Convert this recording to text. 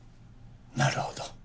なるほど。